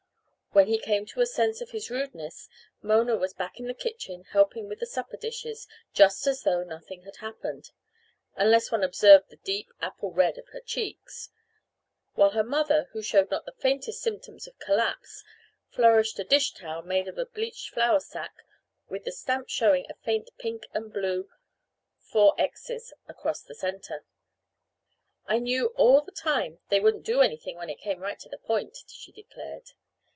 When he came to a sense of his rudeness, Mona was back in the kitchen helping with the supper dishes, just as though nothing had happened unless one observed the deep, apple red of her cheeks while her mother, who showed not the faintest symptoms of collapse, flourished a dish towel made of a bleached flour sack with the stamp showing a faint pink and blue XXXX across the center. "I knew all the time they wouldn't do anything when it came right to the point," she declared.